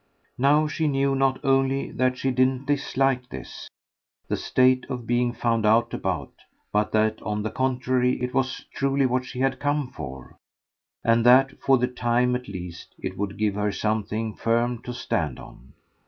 Now she knew not only that she didn't dislike this the state of being found out about; but that on the contrary it was truly what she had come for, and that for the time at least it would give her something firm to stand on.